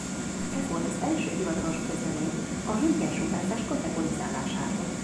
Ez volt az első hivatalos közlemény a röntgensugárzás kategorizálásáról.